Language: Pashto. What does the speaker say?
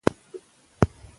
پښتو د پښتنو د یووالي ژبه ده.